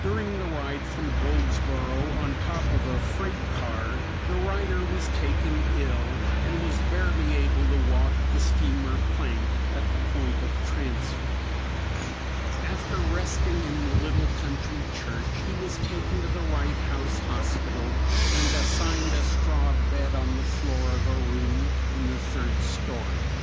During the ride from Goldsboro on top of a freight car, the writer was taken ill and was barely able to walk the steamer plank at the point of transfer. After resting in the little country church he was taken to the Wright House Hospital and assigned a straw bed on the floor of a room in the third story.